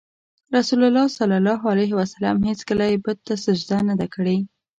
رسول الله ﷺ هېڅکله یې بت ته سجده نه ده کړې.